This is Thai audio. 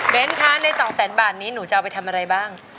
เป็นคะใน๒แสนบาทนี้หนูจะเอาไปทำอะไรบ้าง